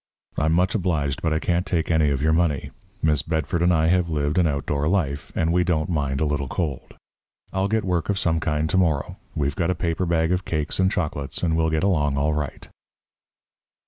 I'm much obliged, but I can't take any of your money. Miss Bedford and I have lived an outdoor life, and we don't mind a little cold. I'll get work of some kind to morrow. We've got a paper bag of cakes and chocolates, and we'll get along all right."